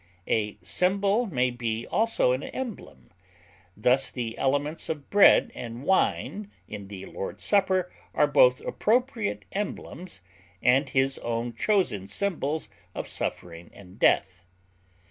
A symbol may be also an emblem; thus the elements of bread and wine in the Lord's Supper are both appropriate emblems and his own chosen symbols of suffering and death.